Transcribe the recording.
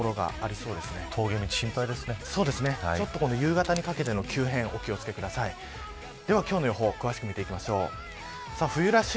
そうですね、夕方にかけての急変にお気を付けください。